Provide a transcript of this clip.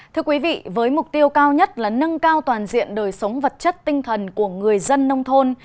thưa quý vị với mục tiêu cao nhất là nâng cao toàn diện đời sống vật chất tinh thần của người dân nông thôn